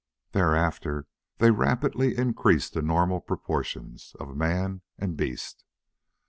Thereafter they rapidly increased to normal proportions of man and beast.